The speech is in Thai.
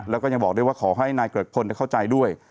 แล้วก็ยังบอกด้วยว่าขอให้นายเกริกพลเข้าใจด้วย